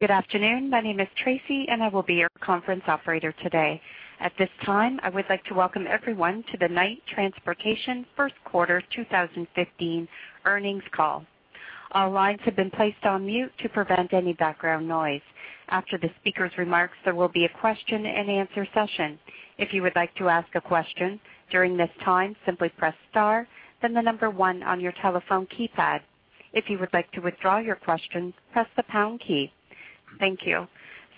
Good afternoon. My name is Tracy, and I will be your conference operator today. At this time, I would like to welcome everyone to the Knight Transportation First Quarter 2015 Earnings Call. Our lines have been placed on mute to prevent any background noise. After the speaker's remarks, there will be a question-and-answer session. If you would like to ask a question during this time, simply press star, then the number one on your telephone keypad. If you would like to withdraw your question, press the pound key. Thank you.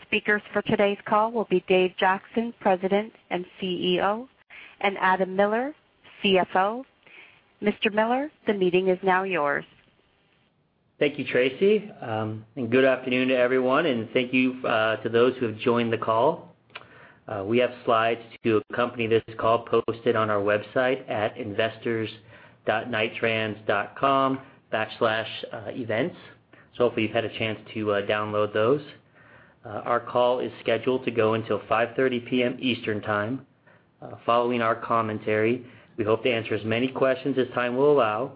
Speakers for today's call will be Dave Jackson, President and CEO, and Adam Miller, CFO. Mr. Miller, the meeting is now yours. Thank you, Tracy, and good afternoon to everyone, and thank you to those who have joined the call. We have slides to accompany this call posted on our website at investors.knighttrans.com/events, so hope you've had a chance to download those. Our call is scheduled to go until 5:30 P.M. Eastern Time. Following our commentary, we hope to answer as many questions as time will allow.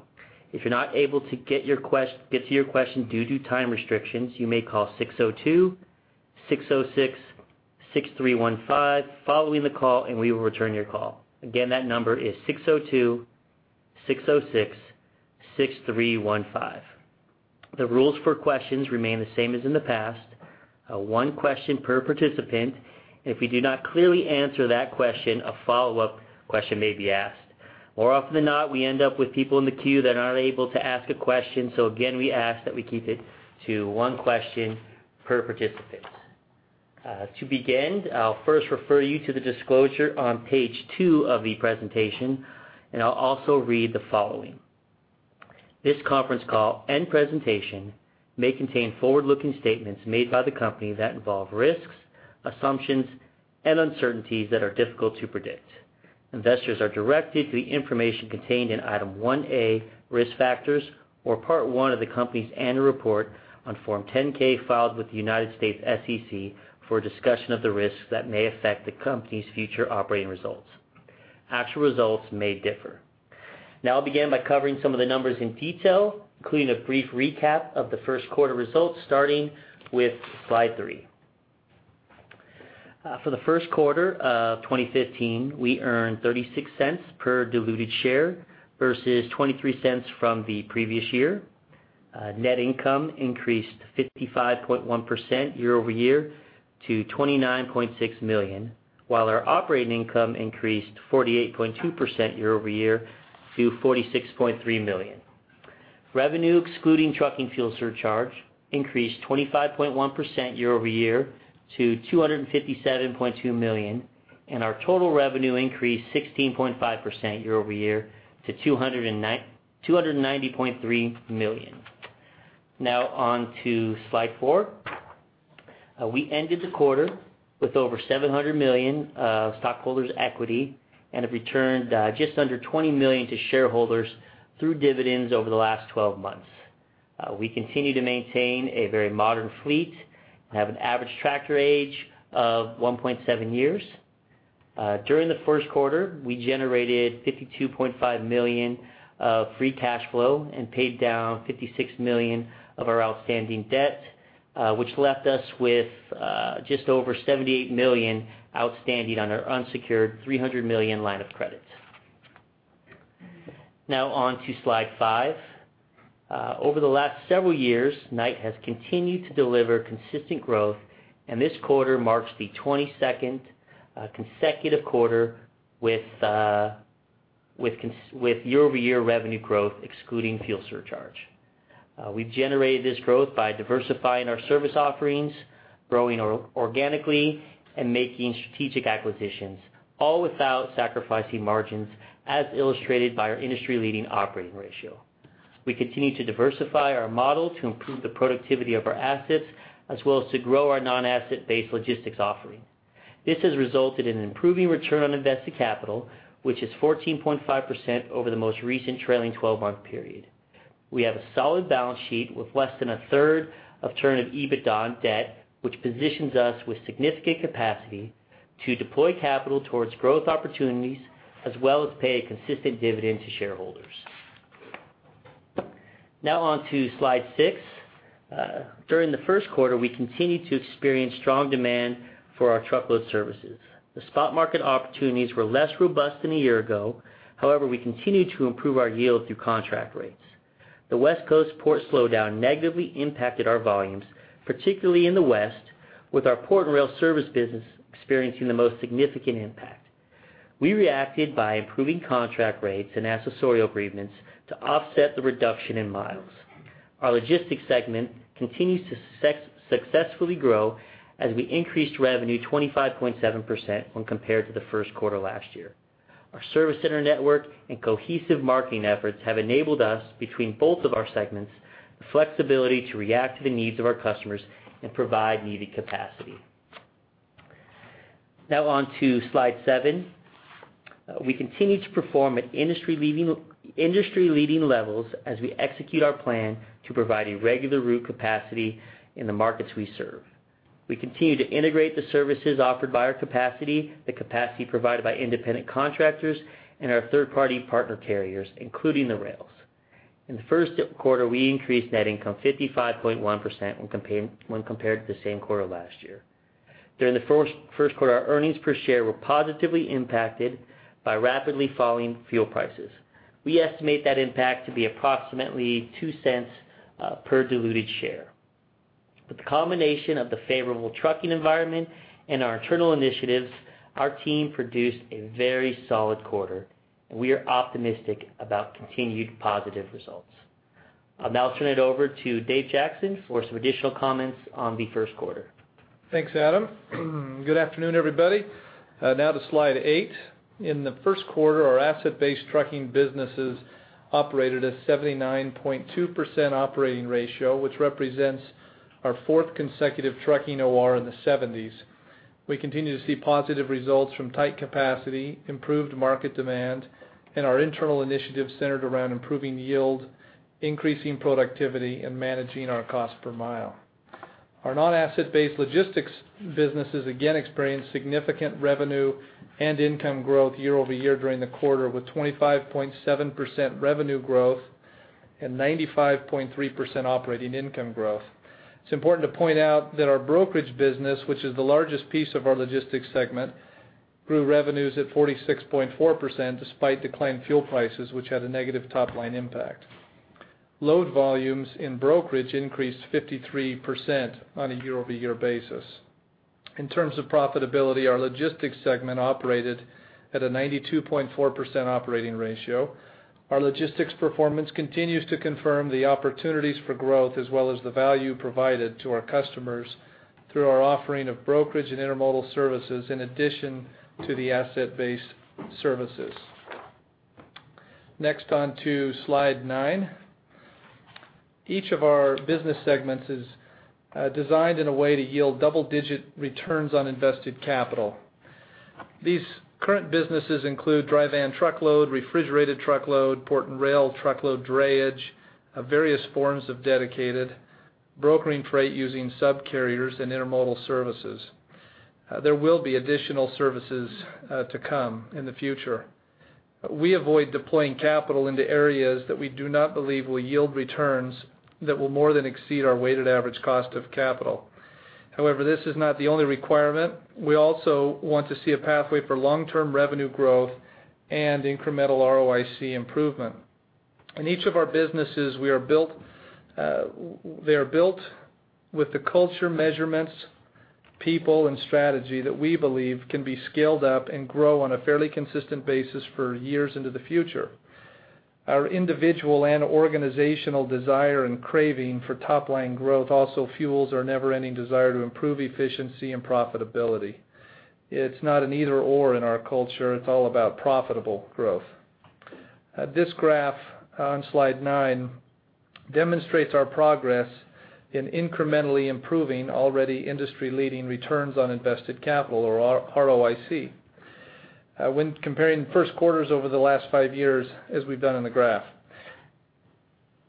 If you're not able to get to your question due to time restrictions, you may call 602-606-6315 following the call, and we will return your call. Again, that number is 602-606-6315. The rules for questions remain the same as in the past. One question per participant. If we do not clearly answer that question, a follow-up question may be asked. More often than not, we end up with people in the queue that aren't able to ask a question, so again, we ask that we keep it to one question per participant. To begin, I'll first refer you to the disclosure on page two of the presentation, and I'll also read the following. This conference call and presentation may contain forward-looking statements made by the company that involve risks, assumptions, and uncertainties that are difficult to predict. Investors are directed to the information contained in Item 1A, Risk Factors or Part One of the company's annual report on Form 10-K, filed with the U.S. SEC for a discussion of the risks that may affect the company's future operating results. Actual results may differ. Now, I'll begin by covering some of the numbers in detail, including a brief recap of the first quarter results, starting with slide three. For the first quarter of 2015, we earned $0.36 per diluted share versus $0.23 from the previous year. Net income increased 55.1% year-over-year to $29.6 million, while our operating income increased 48.2% year-over-year to $46.3 million. Revenue, excluding trucking fuel surcharge, increased 25.1% year-over-year to $257.2 million, and our total revenue increased 16.5% year-over-year to $290.3 million. Now on to slide four. We ended the quarter with over $700 million of stockholders' equity and have returned just under $20 million to shareholders through dividends over the last 12 months. We continue to maintain a very modern fleet and have an average tractor age of 1.7 years. During the first quarter, we generated $52.5 million of free cash flow and paid down $56 million of our outstanding debt, which left us with just over $78 million outstanding on our unsecured $300 million line of credit. Now on to slide five. Over the last several years, Knight has continued to deliver consistent growth, and this quarter marks the 22nd consecutive quarter with year-over-year revenue growth, excluding fuel surcharge. We've generated this growth by diversifying our service offerings, growing organically, and making strategic acquisitions, all without sacrificing margins, as illustrated by our industry-leading operating ratio. We continue to diversify our model to improve the productivity of our assets, as well as to grow our non-asset-based logistics offering. This has resulted in an improving return on invested capital, which is 14.5% over the most recent trailing twelve-month period. We have a solid balance sheet with less than a third of turn of EBITDA debt, which positions us with significant capacity to deploy capital towards growth opportunities, as well as pay a consistent dividend to shareholders. Now on to slide six. During the first quarter, we continued to experience strong demand for our truckload services. The spot market opportunities were less robust than a year ago. However, we continued to improve our yield through contract rates. The West Coast port slowdown negatively impacted our volumes, particularly in the West, with our port and rail service business experiencing the most significant impact. We reacted by improving contract rates and accessorial agreements to offset the reduction in miles. Our logistics segment continues to successfully grow as we increased revenue 25.7% when compared to the first quarter last year. Our service center network and cohesive marketing efforts have enabled us, between both of our segments, the flexibility to react to the needs of our customers and provide needed capacity. Now on to slide seven. We continue to perform at industry-leading levels as we execute our plan to provide irregular route capacity in the markets we serve. We continue to integrate the services offered by our capacity, the capacity provided by independent contractors and our third-party partner carriers, including the rails.... In the first quarter, we increased net income 55.1% when compared to the same quarter last year. During the first quarter, our earnings per share were positively impacted by rapidly falling fuel prices. We estimate that impact to be approximately $0.02 per diluted share. But the combination of the favorable trucking environment and our internal initiatives, our team produced a very solid quarter, and we are optimistic about continued positive results. I'll now turn it over to Dave Jackson for some additional comments on the first quarter. Thanks, Adam. Good afternoon, everybody. Now to Slide 8. In the first quarter, our asset-based trucking businesses operated at 79.2% operating ratio, which represents our fourth consecutive trucking OR in the seventies. We continue to see positive results from tight capacity, improved market demand, and our internal initiatives centered around improving yield, increasing productivity, and managing our cost per mile. Our non-asset-based logistics businesses again experienced significant revenue and income growth year-over-year during the quarter, with 25.7% revenue growth and 95.3% operating income growth. It's important to point out that our brokerage business, which is the largest piece of our logistics segment, grew revenues at 46.4%, despite declined fuel prices, which had a negative top-line impact. Load volumes in brokerage increased 53% on a year-over-year basis. In terms of profitability, our logistics segment operated at a 92.4% operating ratio. Our logistics performance continues to confirm the opportunities for growth, as well as the value provided to our customers through our offering of brokerae and intermodal services in addition to the asset-based services. Next, on to Slide nine. Each of our business segments is designed in a way to yield double-digit returns on invested capital. These current businesses include dry van truckload, refrigerated truckload, port and rail, truckload drayage, various forms of dedicated, brokering freight using subcarriers and intermodal services. There will be additional services to come in the future. We avoid deploying capital into areas that we do not believe will yield returns that will more than exceed our weighted average cost of capital. However, this is not the only requirement. We also want to see a pathway for long-term revenue growth and incremental ROIC improvement. In each of our businesses, we are built, they are built with the culture, measurements, people, and strategy that we believe can be scaled up and grow on a fairly consistent basis for years into the future. Our individual and organizational desire and craving for top-line growth also fuels our never-ending desire to improve efficiency and profitability. It's not an either/or in our culture, it's all about profitable growth. This graph, on Slide nine, demonstrates our progress in incrementally improving already industry-leading returns on invested capital or ROIC, when comparing first quarters over the last five years, as we've done on the graph.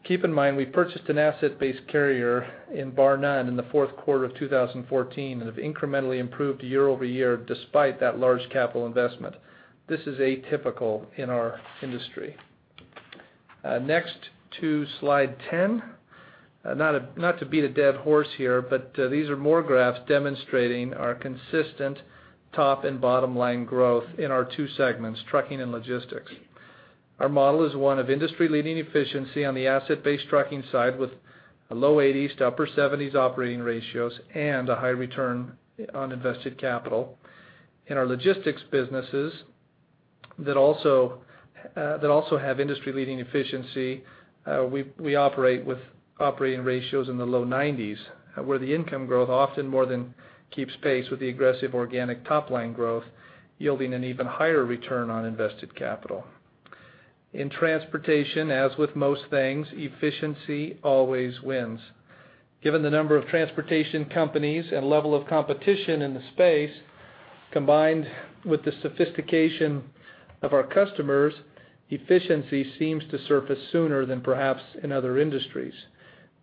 Keep in mind, we purchased an asset-based carrier in Barr-Nunn in the fourth quarter of 2014, and have incrementally improved year-over-year despite that large capital investment. This is atypical in our industry. Next to Slide 10. Not to beat a dead horse here, but these are more graphs demonstrating our consistent top and bottom-line growth in our two segments, trucking and logistics. Our model is one of industry-leading efficiency on the asset-based trucking side, with a low 80s to upper 70s operating ratios and a high return on invested capital. In our logistics businesses, that also have industry-leading efficiency, we operate with operating ratios in the low 90s, where the income growth often more than keeps pace with the aggressive organic top-line growth, yielding an even higher return on invested capital. In transportation, as with most things, efficiency always wins. Given the number of transportation companies and level of competition in the space, combined with the sophistication of our customers, efficiency seems to surface sooner than perhaps in other industries.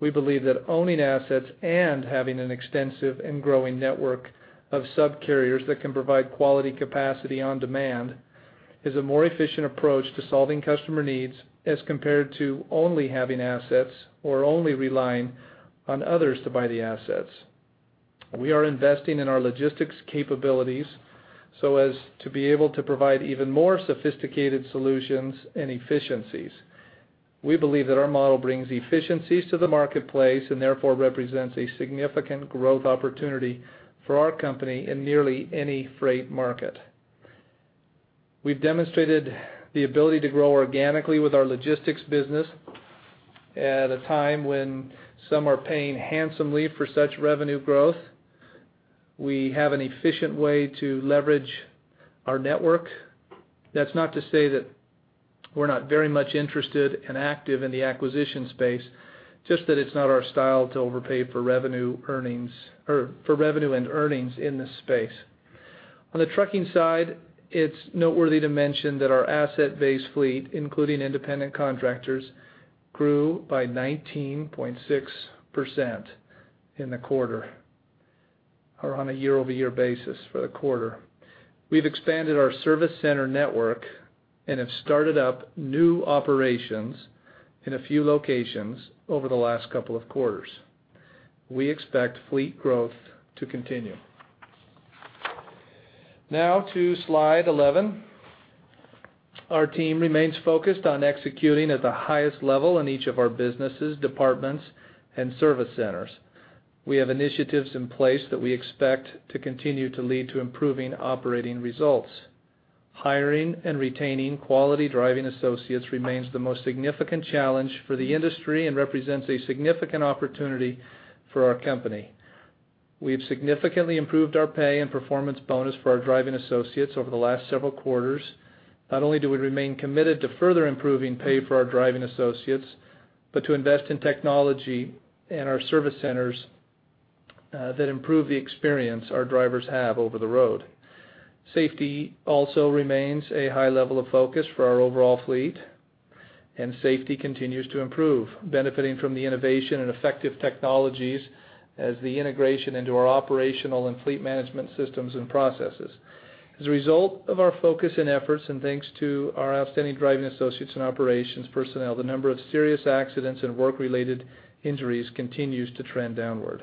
We believe that owning assets and having an extensive and growing network of subcarriers that can provide quality capacity on demand, is a more efficient approach to solving customer needs, as compared to only having assets or only relying on others to buy the assets. We are investing in our logistics capabilities so as to be able to provide even more sophisticated solutions and efficiencies. We believe that our model brings efficiencies to the marketplace and therefore represents a significant growth opportunity for our company in nearly any freight market. We've demonstrated the ability to grow organically with our logistics business at a time when some are paying handsomely for such revenue growth. We have an efficient way to leverage our network. That's not to say that we're not very much interested and active in the acquisition space, just that it's not our style to overpay for revenue, earnings, or for revenue and earnings in this space. On the trucking side, it's noteworthy to mention that our asset-based fleet, including independent contractors, grew by 19.6% in the quarter on a year-over-year basis for the quarter. We've expanded our service center network and have started up new operations in a few locations over the last couple of quarters. We expect fleet growth to continue. Now to slide 11. Our team remains focused on executing at the highest level in each of our businesses, departments, and service centers. We have initiatives in place that we expect to continue to lead to improving operating results. Hiring and retaining quality driving associates remains the most significant challenge for the industry and represents a significant opportunity for our company. We have significantly improved our pay and performance bonus for our driving associates over the last several quarters. Not only do we remain committed to further improving pay for our driving associates, but to invest in technology and our service centers, that improve the experience our drivers have over the road. Safety also remains a high level of focus for our overall fleet, and safety continues to improve, benefiting from the innovation and effective technologies as the integration into our operational and fleet management systems and processes. As a result of our focus and efforts, and thanks to our outstanding driving associates and operations personnel, the number of serious accidents and work-related injuries continues to trend downward.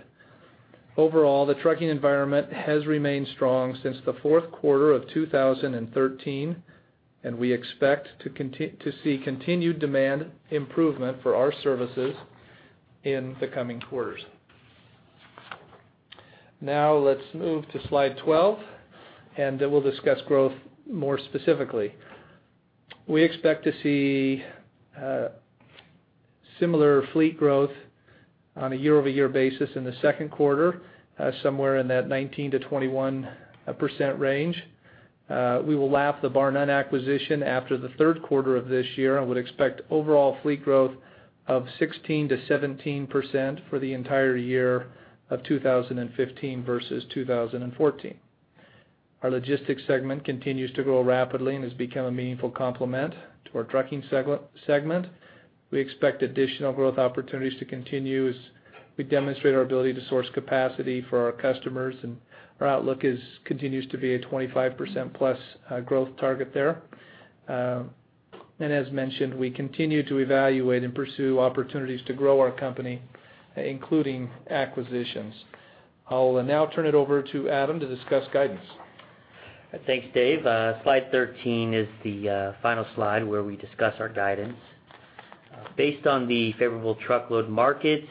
Overall, the trucking environment has remained strong since the fourth quarter of 2013, and we expect to continue to see continued demand improvement for our services in the coming quarters. Now, let's move to slide 12, and then we'll discuss growth more specifically. We expect to see similar fleet growth on a year-over-year basis in the second quarter, somewhere in that 19%-21% range. We will lap the Barr-Nunn acquisition after the third quarter of this year and would expect overall fleet growth of 16%-17% for the entire year of 2015 versus 2014. Our logistics segment continues to grow rapidly and has become a meaningful complement to our trucking segment. We expect additional growth opportunities to continue as we demonstrate our ability to source capacity for our customers, and our outlook is, continues to be a 25%+ growth target there. And as mentioned, we continue to evaluate and pursue opportunities to grow our company, including acquisitions. I will now turn it over to Adam to discuss guidance. Thanks, Dave. Slide thirteen is the final slide where we discuss our guidance. Based on the favorable truckload market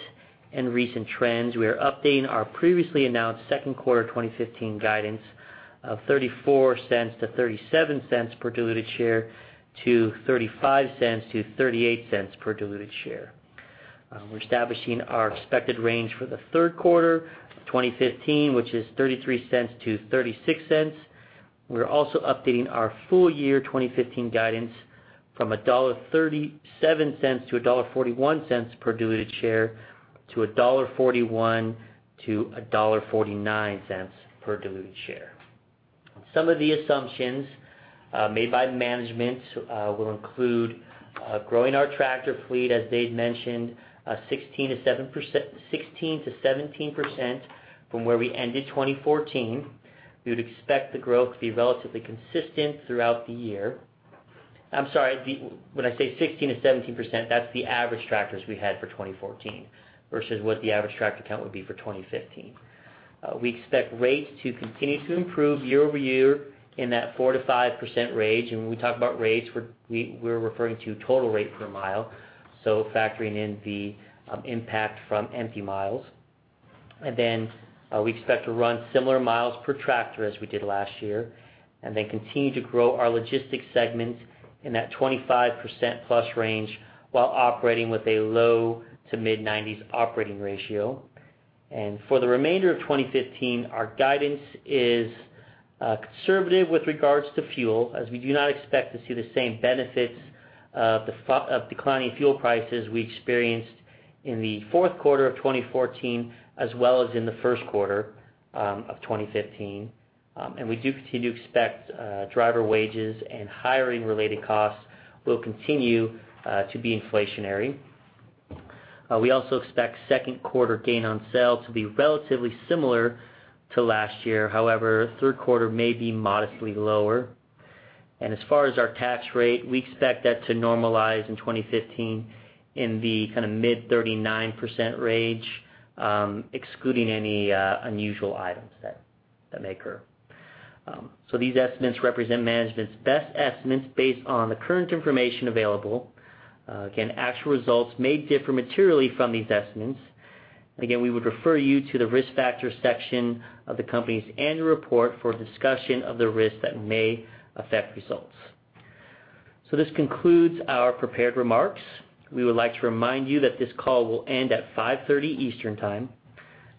and recent trends, we are updating our previously announced second quarter 2015 guidance of $0.34-$0.37 per diluted share to $0.35-$0.38 per diluted share. We're establishing our expected range for the third quarter of 2015, which is $0.33-$0.36. We're also updating our full year 2015 guidance from $1.37-$1.41 per diluted share, to $1.41-$1.49 per diluted share. Some of the assumptions made by management will include growing our tractor fleet, as Dave mentioned, 16%-17% from where we ended 2014. We would expect the growth to be relatively consistent throughout the year. I'm sorry. When I say 16%-17%, that's the average tractors we had for 2014 versus what the average tractor count would be for 2015. We expect rates to continue to improve year-over-year in that 4%-5% range. And when we talk about rates, we're referring to total rate per mile, so factoring in the impact from empty miles. And then, we expect to run similar miles per tractor as we did last year, and then continue to grow our logistics segment in that 25%+ range, while operating with a low- to mid-90s operating ratio. For the remainder of 2015, our guidance is conservative with regards to fuel, as we do not expect to see the same benefits of declining fuel prices we experienced in the fourth quarter of 2014, as well as in the first quarter of 2015. We do continue to expect driver wages and hiring-related costs will continue to be inflationary. We also expect second quarter gain on sale to be relatively similar to last year. However, third quarter may be modestly lower. As far as our tax rate, we expect that to normalize in 2015 in the kind of mid 39% range, excluding any unusual items that may occur. So these estimates represent management's best estimates based on the current information available. Again, actual results may differ materially from these estimates. And again, we would refer you to the risk factors section of the company's annual report for a discussion of the risks that may affect results. So this concludes our prepared remarks. We would like to remind you that this call will end at 5:30 Eastern Time.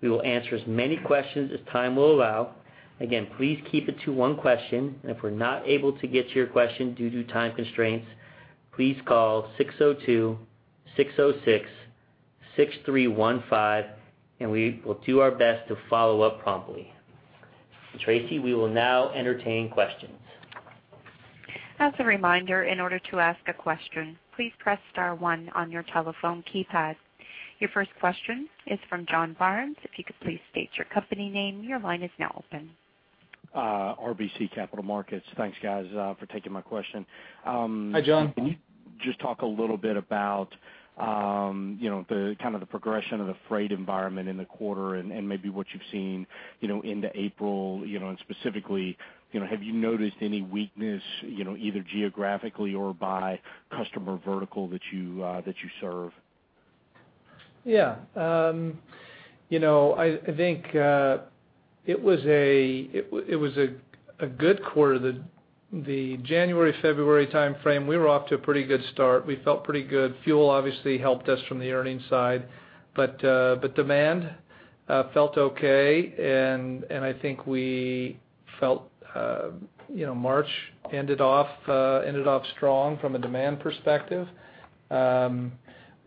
We will answer as many questions as time will allow. Again, please keep it to one question, and if we're not able to get to your question due to time constraints, please call 602-606-6315, and we will do our best to follow up promptly. Tracy, we will now entertain questions. As a reminder, in order to ask a question, please press star one on your telephone keypad. Your first question is from John Barnes. If you could please state your company name, your line is now open. RBC Capital Markets. Thanks, guys, for taking my question. Hi, John. Can you just talk a little bit about, you know, the kind of the progression of the freight environment in the quarter and, and maybe what you've seen, you know, into April, you know, and specifically, you know, have you noticed any weakness, you know, either geographically or by customer vertical that you, that you serve? Yeah. You know, I think it was a good quarter. The January, February time frame, we were off to a pretty good start. We felt pretty good. Fuel obviously helped us from the earnings side, but demand felt okay, and I think we felt, you know, March ended off strong from a demand perspective. All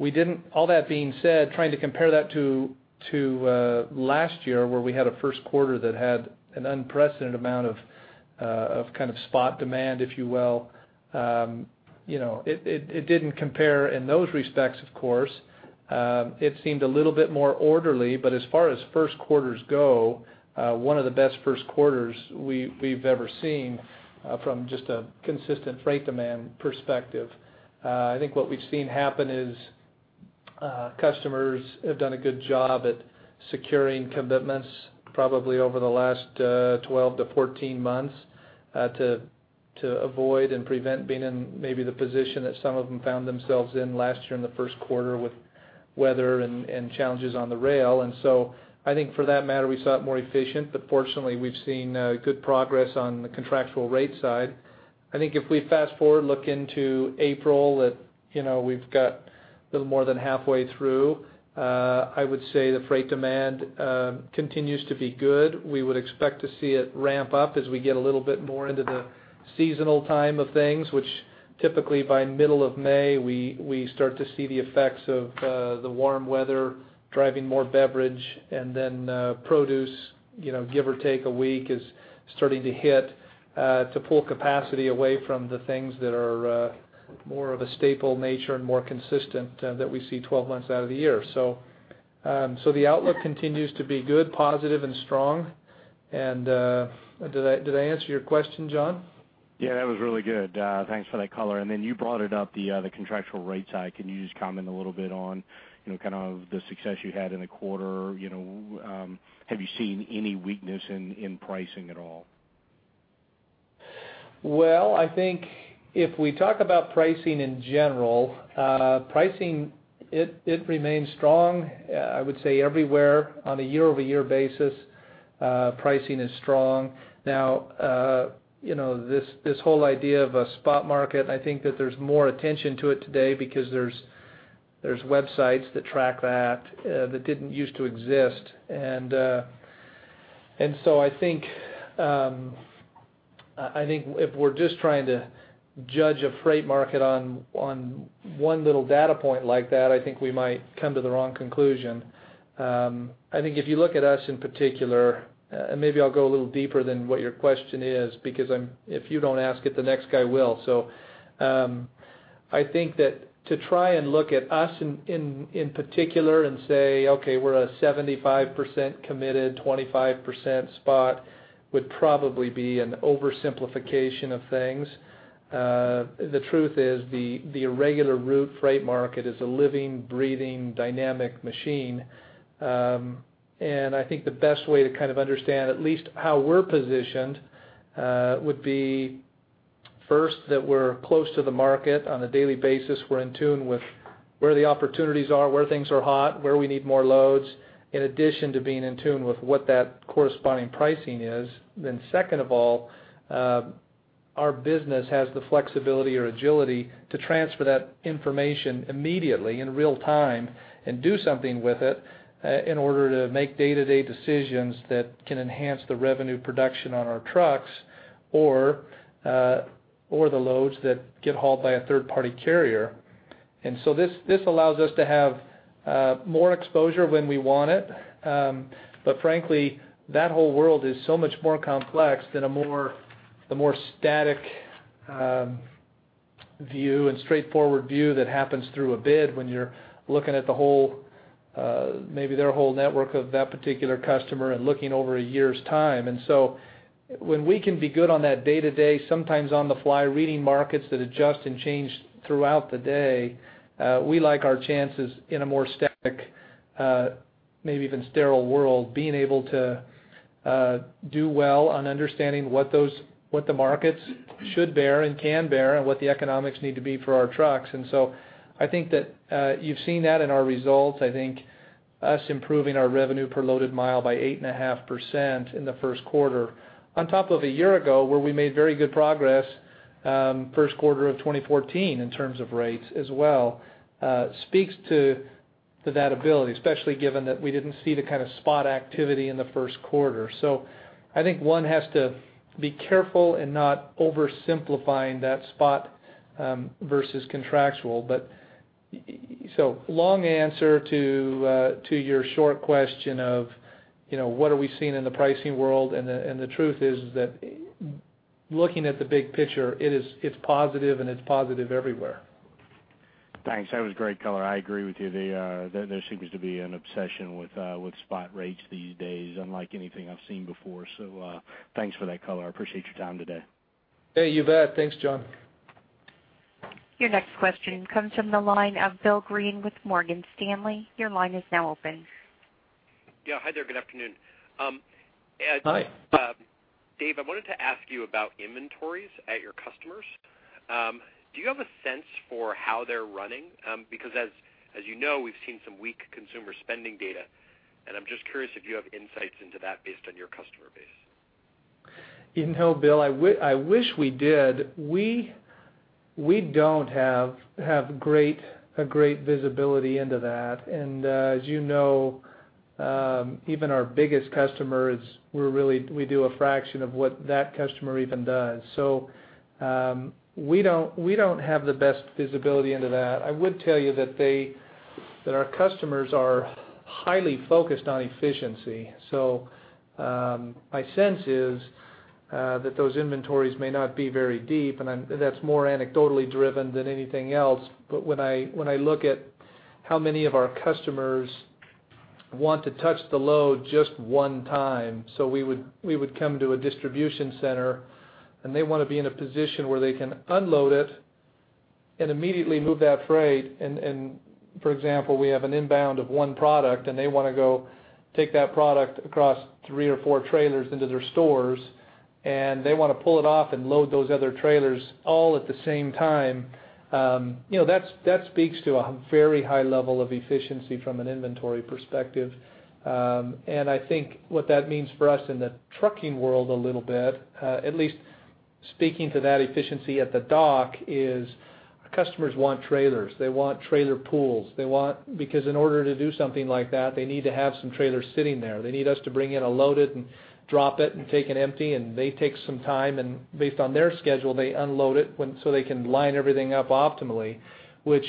that being said, trying to compare that to last year, where we had a first quarter that had an unprecedented amount of kind of spot demand, if you will, you know, it didn't compare in those respects, of course. It seemed a little bit more orderly, but as far as first quarters go, one of the best first quarters we've ever seen, from just a consistent freight demand perspective. I think what we've seen happen is, customers have done a good job at securing commitments probably over the last 12-14 months, to avoid and prevent being in maybe the position that some of them found themselves in last year in the first quarter with weather and challenges on the rail. And so I think for that matter, we saw it more efficient, but fortunately, we've seen good progress on the contractual rate side. I think if we fast forward, look into April, that, you know, we've got a little more than halfway through, I would say the freight demand continues to be good. We would expect to see it ramp up as we get a little bit more into the seasonal time of things, which typically by middle of May, we start to see the effects of the warm weather driving more beverage, and then produce, you know, give or take a week, is starting to hit to pull capacity away from the things that are more of a staple nature and more consistent that we see 12 months out of the year. So, so the outlook continues to be good, positive and strong. And, did I answer your question, John? Yeah, that was really good. Thanks for that color. And then you brought it up, the contractual rate side. Can you just comment a little bit on, you know, kind of the success you had in the quarter? You know, have you seen any weakness in pricing at all? Well, I think if we talk about pricing in general, pricing, it remains strong. I would say everywhere on a year-over-year basis, pricing is strong. Now, you know, this whole idea of a spot market, I think that there's more attention to it today because there's websites that track that, that didn't use to exist. And so I think if we're just trying to judge a freight market on one little data point like that, I think we might come to the wrong conclusion. I think if you look at us in particular, and maybe I'll go a little deeper than what your question is, because I'm, if you don't ask it, the next guy will. So, I think that to try and look at us in particular and say, "Okay, we're a 75% committed, 25% spot," would probably be an oversimplification of things. The truth is, the irregular route freight market is a living, breathing, dynamic machine. And I think the best way to kind of understand at least how we're positioned would be, first, that we're close to the market on a daily basis. We're in tune with where the opportunities are, where things are hot, where we need more loads, in addition to being in tune with what that corresponding pricing is. Then second of all, our business has the flexibility or agility to transfer that information immediately in real time and do something with it, in order to make day-to-day decisions that can enhance the revenue production on our trucks or, or the loads that get hauled by a third-party carrier. And so this, this allows us to have more exposure when we want it. But frankly, that whole world is so much more complex than a more, the more static view and straightforward view that happens through a bid when you're looking at the whole, maybe their whole network of that particular customer and looking over a year's time. And so when we can be good on that day-to-day, sometimes on-the-fly, reading markets that adjust and change throughout the day, we like our chances in a more static, maybe even sterile world, being able to do well on understanding what the markets should bear and can bear, and what the economics need to be for our trucks. And so I think that, you've seen that in our results. I think us improving our revenue per loaded mile by 8.5% in the first quarter, on top of a year ago, where we made very good progress, first quarter of 2014, in terms of rates as well, speaks to that ability, especially given that we didn't see the kind of spot activity in the first quarter. So I think one has to be careful in not oversimplifying that spot versus contractual. But so long answer to your short question of, you know, what are we seeing in the pricing world? And the truth is that looking at the big picture, it is, it's positive, and it's positive everywhere. Thanks. That was great color. I agree with you. There seems to be an obsession with spot rates these days, unlike anything I've seen before. So, thanks for that color. I appreciate your time today. Hey, you bet. Thanks, John. Your next question comes from the line of Bill Greene with Morgan Stanley. Your line is now open. Yeah. Hi there, good afternoon. Hi. Dave, I wanted to ask you about inventories at your customers. Do you have a sense for how they're running? Because as you know, we've seen some weak consumer spending data, and I'm just curious if you have insights into that based on your customer base. You know, Bill, I wish we did. We don't have great visibility into that. As you know, even our biggest customers, we're really we do a fraction of what that customer even does. So, we don't have the best visibility into that. I would tell you that our customers are highly focused on efficiency. So, my sense is that those inventories may not be very deep, and I'm... That's more anecdotally driven than anything else. But when I look at how many of our customers want to touch the load just one time, so we would come to a distribution center, and they want to be in a position where they can unload it and immediately move that freight. And for example, we have an inbound of one product, and they want to go take that product across three or four trailers into their stores, and they want to pull it off and load those other trailers all at the same time. You know, that speaks to a very high level of efficiency from an inventory perspective. And I think what that means for us in the trucking world a little bit, at least speaking to that efficiency at the dock, is customers want trailers. They want trailer pools. They want... Because in order to do something like that, they need to have some trailers sitting there. They need us to bring in a loaded and drop it and take an empty, and they take some time, and based on their schedule, they unload it when, so they can line everything up optimally, which,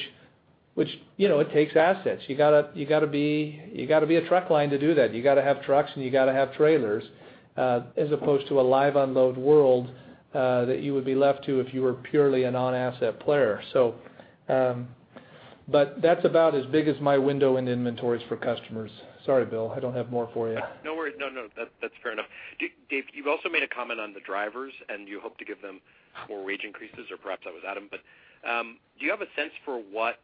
you know, it takes assets. You gotta, you gotta be, you gotta be a truck line to do that. You gotta have trucks, and you gotta have trailers, as opposed to a live unload world, that you would be left to if you were purely a non-asset player. So, but that's about as big as my window in inventories for customers. Sorry, Bill, I don't have more for you. No worries. No, no, that's fair enough. Dave, you've also made a comment on the drivers, and you hope to give them more wage increases, or perhaps that was Adam. But, do you have a sense for what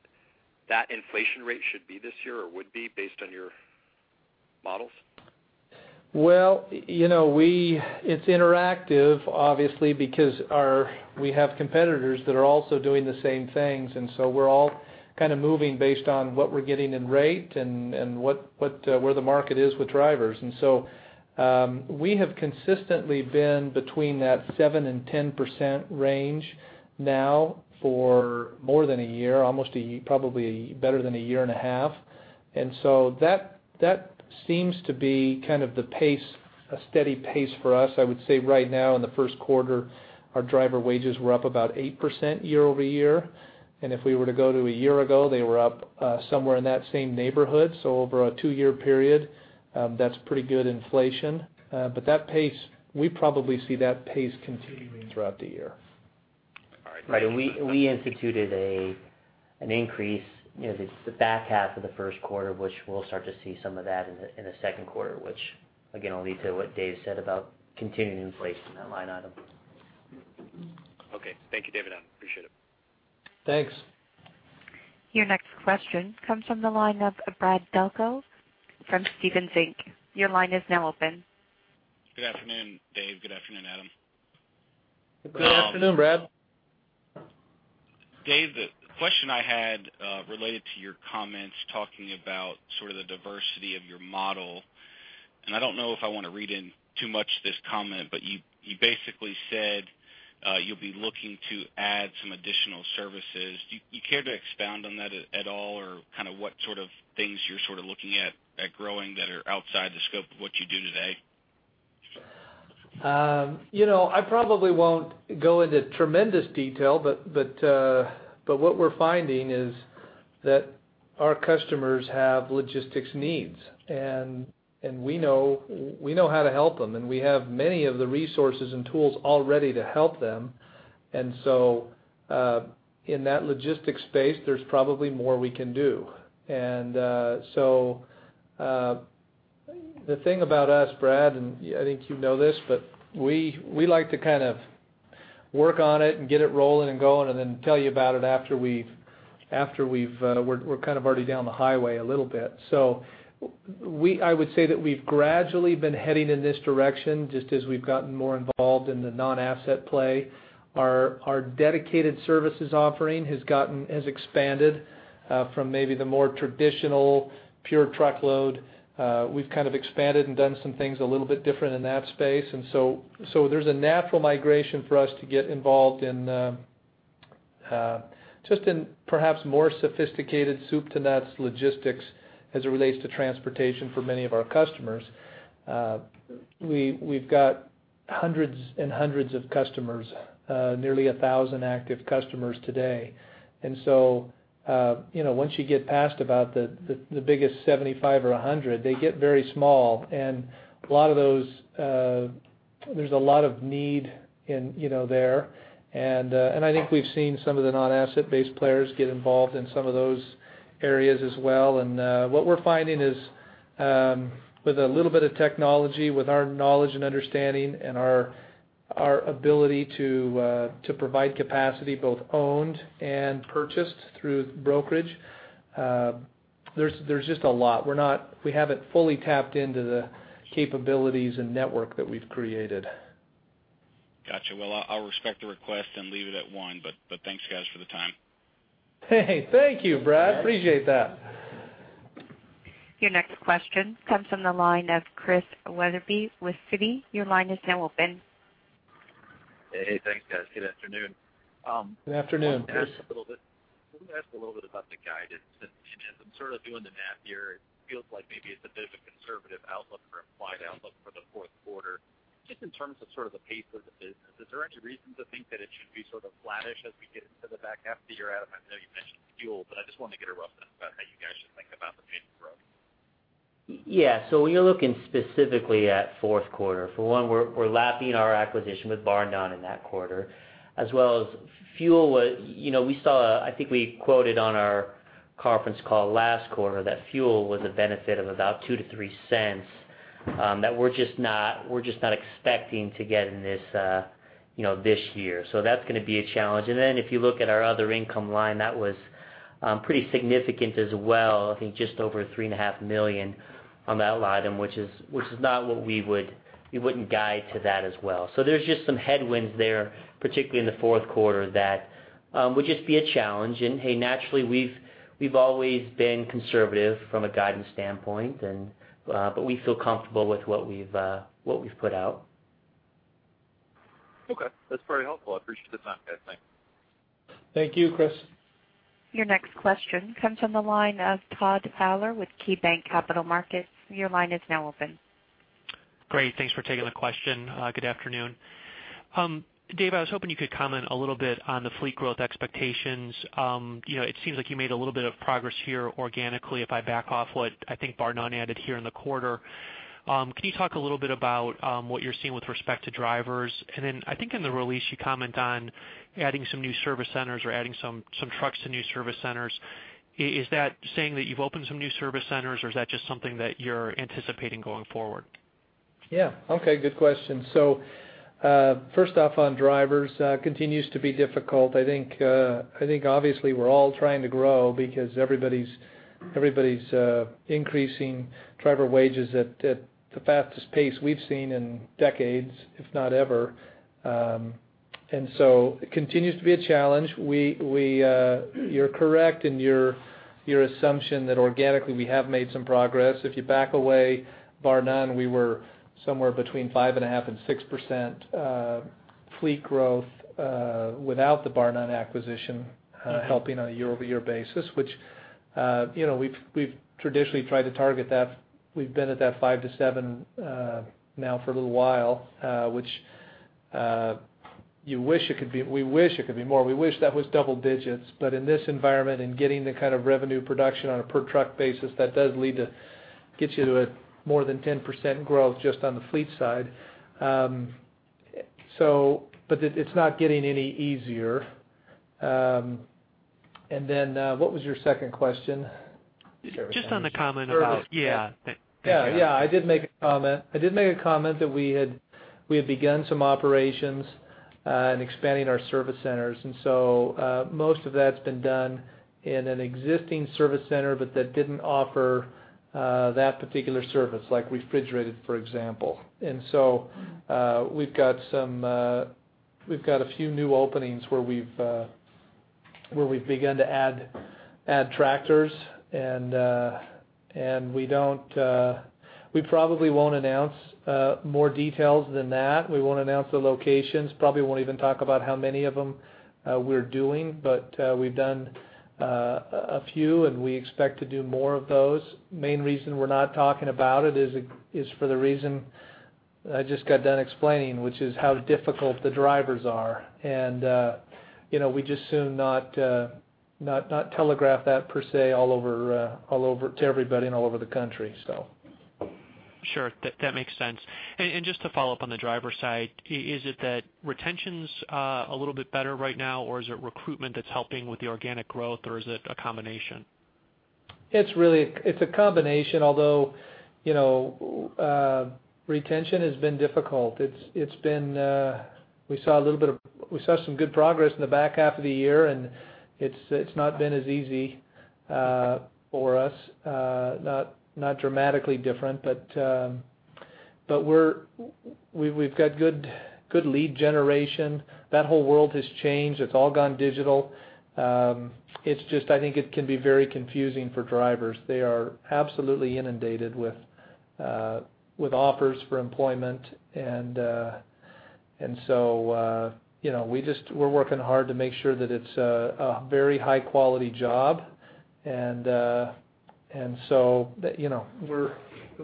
that inflation rate should be this year or would be based on your models? Well, you know, it's interactive, obviously, because our, we have competitors that are also doing the same things, and so we're all kind of moving based on what we're getting in rate and, and what, what, where the market is with drivers. And so, we have consistently been between that 7%-10% range now for more than a year, almost a year, probably better than a year and a half. And so that, that seems to be kind of the pace, a steady pace for us. I would say right now, in the first quarter, our driver wages were up about 8% year-over-year. And if we were to go to a year ago, they were up, somewhere in that same neighborhood. So over a two-year period, that's pretty good inflation. But that pace, we probably see that pace continuing throughout the year. All right. Right, and we instituted an increase in the back half of the first quarter, which we'll start to see some of that in the second quarter, which again, will lead to what Dave said about continuing inflation in that line item. Okay. Thank you, Dave and Adam. Appreciate it. Thanks. Your next question comes from the line of Brad Delco from Stephens Inc. Your line is now open. Good afternoon, Dave. Good afternoon, Adam. Good afternoon, Brad. Dave, the question I had related to your comments, talking about sort of the diversity of your model, and I don't know if I want to read in too much this comment, but you basically said you'll be looking to add some additional services. Do you care to expound on that at all, or kind of what sort of things you're sort of looking at growing that are outside the scope of what you do today? You know, I probably won't go into tremendous detail, but what we're finding is that our customers have logistics needs, and we know how to help them, and we have many of the resources and tools already to help them. So, in that logistics space, there's probably more we can do. So, the thing about us, Brad, and I think you know this, but we like to kind of work on it and get it rolling and going, and then tell you about it after we've, we're kind of already down the highway a little bit. So we... I would say that we've gradually been heading in this direction just as we've gotten more involved in the non-asset play. Our dedicated services offering has gotten, has expanded from maybe the more traditional pure truckload. We've kind of expanded and done some things a little bit different in that space. And so there's a natural migration for us to get involved in just in perhaps more sophisticated soup to nuts logistics as it relates to transportation for many of our customers. We've got hundreds and hundreds of customers, nearly 1,000 active customers today. And so, you know, once you get past about the biggest 75 or 100, they get very small, and a lot of those, there's a lot of need in, you know, there. And I think we've seen some of the non-asset-based players get involved in some of those areas as well. What we're finding is, with a little bit of technology, with our knowledge and understanding and our ability to provide capacity, both owned and purchased through brokerage, there's just a lot. We haven't fully tapped into the capabilities and network that we've created. Gotcha. Well, I'll, I'll respect the request and leave it at one, but, but thanks, guys, for the time. Hey, thank you, Brad. Appreciate that. Your next question comes from the line of Chris Wetherbee with Citi. Your line is now open. Hey, thanks, guys. Good afternoon. Good afternoon. Let me ask a little bit about the guidance. And as I'm sort of doing the math here, it feels like maybe it's a bit of a conservative outlook or implied outlook for the fourth quarter. Just in terms of sort of the pace of the business, is there any reason to think that it should be sort of flattish as we get into the back half of the year? Adam, I know you mentioned fuel, but I just wanted to get a rough idea about how you guys should think about the pace of growth. Yeah. So when you're looking specifically at fourth quarter, for one, we're lapping our acquisition with Barr-Nunn in that quarter, as well as fuel was... You know, we saw, I think we quoted on our conference call last quarter, that fuel was a benefit of about $0.02-$0.03, that we're just not expecting to get in this, you know, this year. So that's going to be a challenge. And then if you look at our other income line, that was pretty significant as well. I think just over $3.5 million on that line item, which is not what we would... We wouldn't guide to that as well. So there's just some headwinds there, particularly in the fourth quarter, that would just be a challenge. Hey, naturally, we've always been conservative from a guidance standpoint, but we feel comfortable with what we've put out. Okay. That's very helpful. I appreciate the time, guys. Thanks. Thank you, Chris. Your next question comes from the line of Todd Fowler with KeyBanc Capital Markets. Your line is now open. Great. Thanks for taking the question. Good afternoon. Dave, I was hoping you could comment a little bit on the fleet growth expectations. You know, it seems like you made a little bit of progress here organically, if I back off what I think Barr-Nunn added here in the quarter. Can you talk a little bit about what you're seeing with respect to drivers? And then, I think in the release, you comment on adding some new service centers or adding some trucks to new service centers. Is that saying that you've opened some new service centers, or is that just something that you're anticipating going forward? Yeah. Okay, good question. So, first off, on drivers, continues to be difficult. I think, I think obviously we're all trying to grow because everybody's, everybody's, increasing driver wages at, at the fastest pace we've seen in decades, if not ever. And so it continues to be a challenge. We, we, you're correct in your, your assumption that organically we have made some progress. If you back away Barr-Nunn, we were somewhere between 5.5 and 6%, fleet growth, without the Barr-Nunn acquisition, helping on a year-over-year basis, which, you know, we've, we've traditionally tried to target that. We've been at that 5-7, now for a little while, which, you wish it could be—we wish it could be more. We wish that was double digits. But in this environment, and getting the kind of revenue production on a per truck basis, that does lead to get you to a more than 10% growth just on the fleet side. So, but it, it's not getting any easier. And then, what was your second question? Just on the comment about- Service. Yeah. Thank you. Yeah, yeah. I did make a comment. I did make a comment that we had, we had begun some operations in expanding our service centers, and so, most of that's been done in an existing service center, but that didn't offer that particular service, like refrigerated, for example. And so, we've got some, we've got a few new openings where we've, where we've begun to add, add tractors, and, and we don't... We probably won't announce more details than that. We won't announce the locations, probably won't even talk about how many of them we're doing, but, we've done a few, and we expect to do more of those. Main reason we're not talking about it is, is for the reason I just got done explaining, which is how difficult the drivers are. And, you know, we'd just as soon not telegraph that per se, all over to everybody and all over the country, so. Sure. That makes sense. And just to follow up on the driver side, is it that retention's a little bit better right now, or is it recruitment that's helping with the organic growth, or is it a combination? It's really, it's a combination, although, you know, retention has been difficult. It's been, we saw some good progress in the back half of the year, and it's not been as easy for us, not dramatically different. But we're, we've got good lead generation. That whole world has changed. It's all gone digital. It's just, I think it can be very confusing for drivers. They are absolutely inundated with offers for employment. And so, you know, we just, we're working hard to make sure that it's a very high quality job. And so, you know,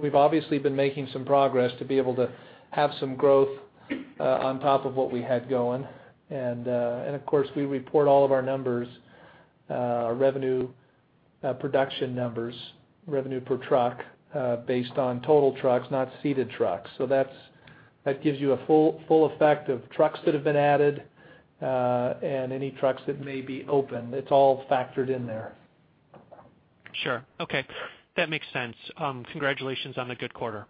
we've obviously been making some progress to be able to have some growth on top of what we had going. Of course, we report all of our numbers, our revenue, production numbers, revenue per truck, based on total trucks, not seated trucks. So that gives you a full effect of trucks that have been added and any trucks that may be open. It's all factored in there. Sure. Okay, that makes sense. Congratulations on the good quarter.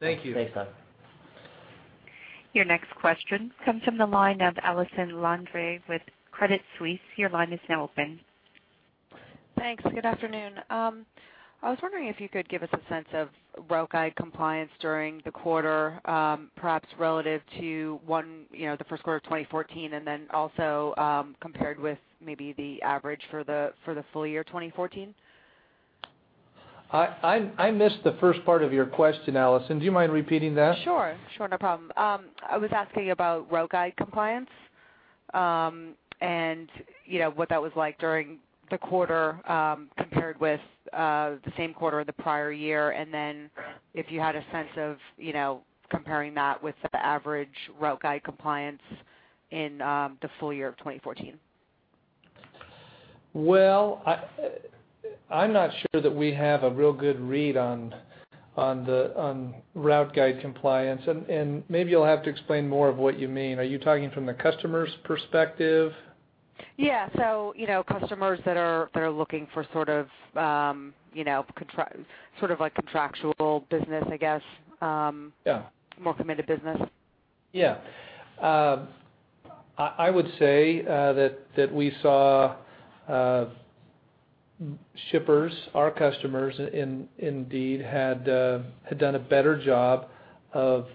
Thank you. Thanks, Doug. Your next question comes from the line of Allison Landry with Credit Suisse. Your line is now open. Thanks. Good afternoon. I was wondering if you could give us a sense of Route guide compliance during the quarter, perhaps relative to one, you know, the first quarter of 2014, and then also, compared with maybe the average for the full year 2014. I missed the first part of your question, Allison. Do you mind repeating that? Sure, sure, no problem. I was asking about route guide compliance, and you know, what that was like during the quarter, compared with the same quarter of the prior year. And then if you had a sense of, you know, comparing that with the average route guide compliance in the full year of 2014. Well, I’m not sure that we have a real good read on the route guide compliance, and maybe you’ll have to explain more of what you mean. Are you talking from the customer’s perspective? Yeah. So, you know, customers that are looking for sort of, you know, contra- sort of like contractual business, I guess. Yeah... more committed business. Yeah. I would say that we saw shippers, our customers, indeed, had done a better job of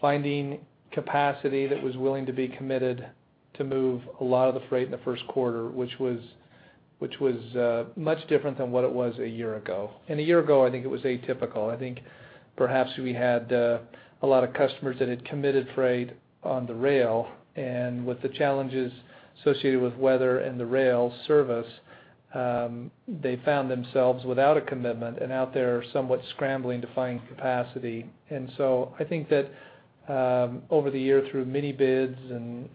finding capacity that was willing to be committed to move a lot of the freight in the first quarter, which was much different than what it was a year ago. And a year ago, I think it was atypical. I think perhaps we had a lot of customers that had committed freight on the rail, and with the challenges associated with weather and the rail service, they found themselves without a commitment and out there somewhat scrambling to find capacity. And so I think that over the year, through mini bids and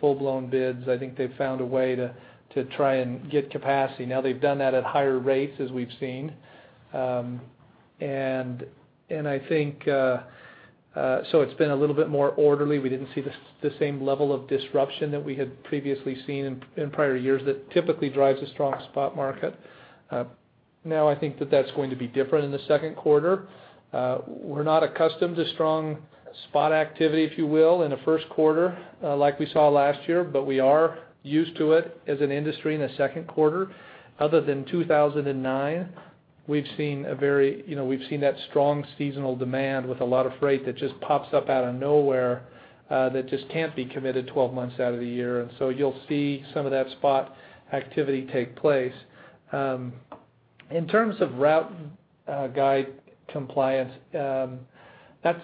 full-blown bids, I think they've found a way to try and get capacity. Now they've done that at higher rates, as we've seen. I think so it's been a little bit more orderly. We didn't see the same level of disruption that we had previously seen in prior years that typically drives a strong spot market. Now, I think that that's going to be different in the second quarter. We're not accustomed to strong spot activity, if you will, in the first quarter like we saw last year, but we are used to it as an industry in the second quarter. Other than 2009, we've seen a very, you know, we've seen that strong seasonal demand with a lot of freight that just pops up out of nowhere that just can't be committed 12 months out of the year. And so you'll see some of that spot activity take place. In terms of Route Guide compliance, that's...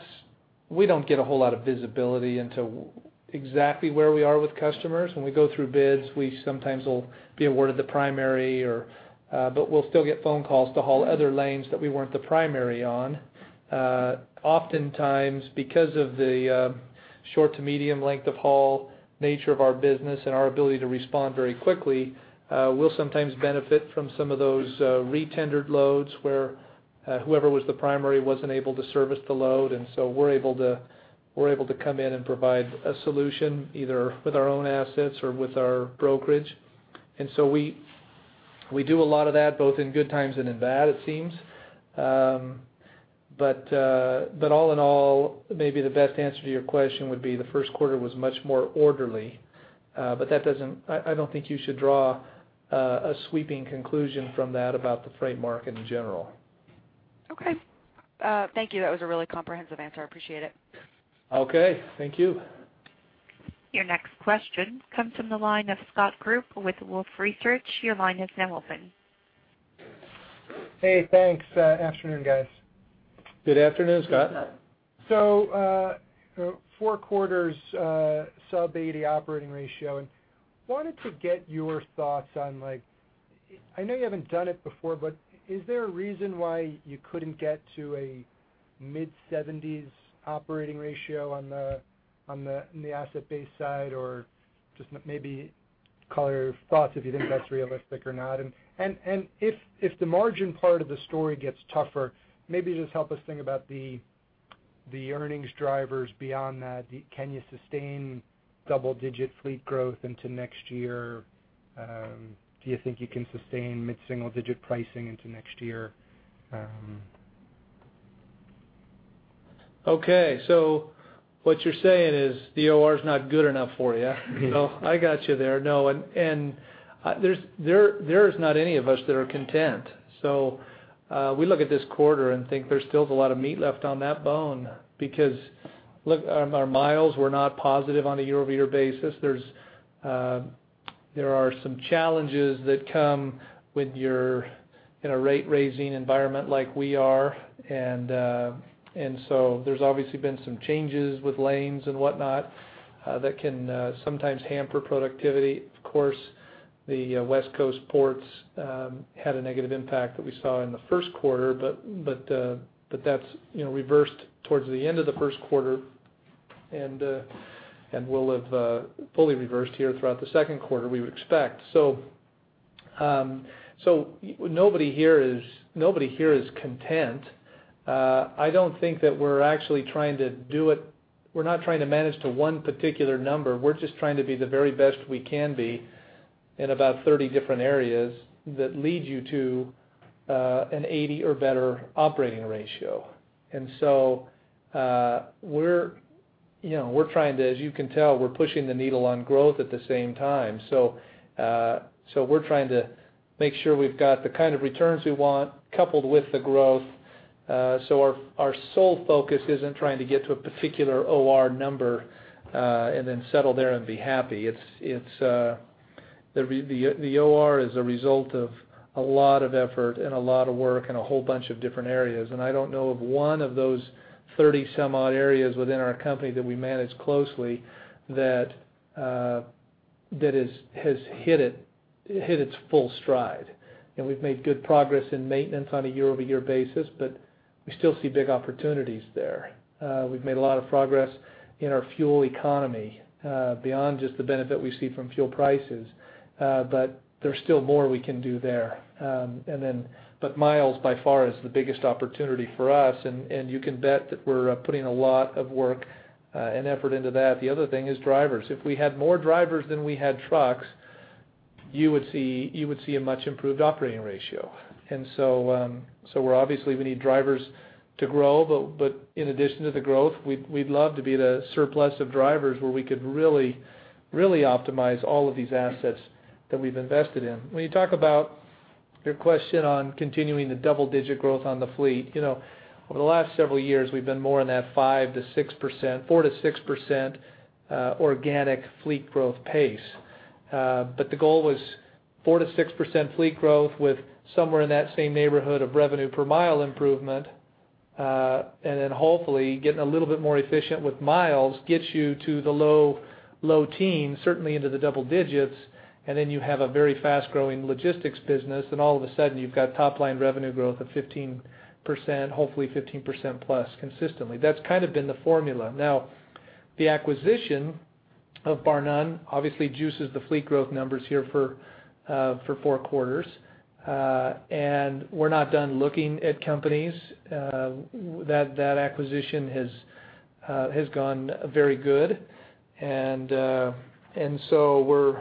We don't get a whole lot of visibility into exactly where we are with customers. When we go through bids, we sometimes will be awarded the primary or, but we'll still get phone calls to haul other lanes that we weren't the primary on. Oftentimes, because of the short to medium length of haul nature of our business and our ability to respond very quickly, we'll sometimes benefit from some of those re-tendered loads, where whoever was the primary wasn't able to service the load, and so we're able to, we're able to come in and provide a solution, either with our own assets or with our brokerage. And so we, we do a lot of that, both in good times and in bad, it seems. But, but all in all, maybe the best answer to your question would be the first quarter was much more orderly, but that doesn't... I don't think you should draw a sweeping conclusion from that about the freight market in general. Okay. Thank you. That was a really comprehensive answer. I appreciate it. Okay. Thank you. Your next question comes from the line of Scott Group with Wolfe Research. Your line is now open. Hey, thanks. Afternoon, guys. Good afternoon, Scott. Good afternoon. Four quarters sub-80 operating ratio. And wanted to get your thoughts on, like, I know you haven't done it before, but is there a reason why you couldn't get to a mid-70s operating ratio on the asset-based side? Or just maybe color your thoughts if you think that's realistic or not. And if the margin part of the story gets tougher, maybe just help us think about the earnings drivers beyond that. Can you sustain double-digit fleet growth into next year? Do you think you can sustain mid-single-digit pricing into next year? Okay. So what you're saying is the OR's not good enough for you. Well, I got you there. No, and there is not any of us that are content. So, we look at this quarter and think there's still a lot of meat left on that bone, because look, our miles were not positive on a year-over-year basis. There are some challenges that come with your, in a rate-raising environment like we are, and so there's obviously been some changes with lanes and whatnot, that can sometimes hamper productivity. Of course, the West Coast ports had a negative impact that we saw in the first quarter, but that's, you know, reversed towards the end of the first quarter, and will have fully reversed here throughout the second quarter, we would expect. So, nobody here is, nobody here is content. I don't think that we're actually trying to do it. We're not trying to manage to one particular number. We're just trying to be the very best we can be in about 30 different areas that lead you to an 80 or better operating ratio. And so, we're, you know, we're trying to, as you can tell, we're pushing the needle on growth at the same time. So, we're trying to make sure we've got the kind of returns we want, coupled with the growth. So our sole focus isn't trying to get to a particular OR number, and then settle there and be happy. It's the OR is a result of a lot of effort and a lot of work and a whole bunch of different areas. And I don't know of one of those 30-some odd areas within our company that we manage closely that has hit its full stride. And we've made good progress in maintenance on a year-over-year basis, but we still see big opportunities there. We've made a lot of progress in our fuel economy, beyond just the benefit we see from fuel prices, but there's still more we can do there. And then, but miles, by far, is the biggest opportunity for us, and, and you can bet that we're putting a lot of work, and effort into that. The other thing is drivers. If we had more drivers than we had trucks, you would see, you would see a much improved operating ratio. And so, so we're obviously, we need drivers to grow, but, but in addition to the growth, we'd, we'd love to be the surplus of drivers, where we could really, really optimize all of these assets that we've invested in. When you talk about your question on continuing the double-digit growth on the fleet, you know, over the last several years, we've been more in that 5%-6%, 4%-6%, organic fleet growth pace. But the goal was 4%-6% fleet growth with somewhere in that same neighborhood of revenue per mile improvement, and then hopefully, getting a little bit more efficient with miles gets you to the low teens, certainly into the double digits, and then you have a very fast-growing logistics business, and all of a sudden, you've got top-line revenue growth of 15%, hopefully 15%+, consistently. That's kind of been the formula. Now, the acquisition of Barr-Nunn obviously juices the fleet growth numbers here for four quarters. And we're not done looking at companies. That acquisition has gone very good. And so we're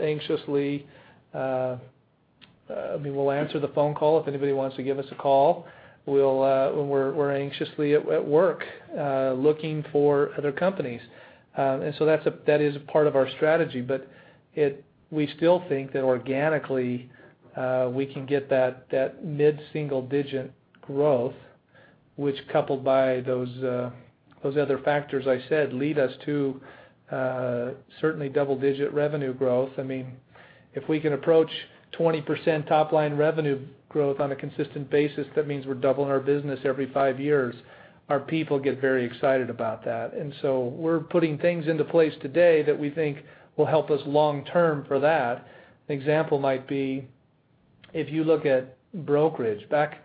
anxiously, I mean, we'll answer the phone call if anybody wants to give us a call. Well, we're anxiously at work looking for other companies. And so that is a part of our strategy, but we still think that organically we can get that mid-single digit growth, which coupled by those other factors I said, lead us to certainly double-digit revenue growth. I mean, if we can approach 20% top-line revenue growth on a consistent basis, that means we're doubling our business every five years. Our people get very excited about that. And so we're putting things into place today that we think will help us long term for that. An example might be, if you look at brokerage, back,